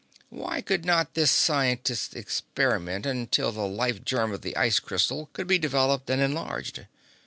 Why could not this scientist experiment until the life germ of the ice crystal could be developed and enlarged?